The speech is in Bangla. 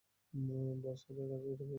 বস, হাতের কাছে এটাই পেয়েছি।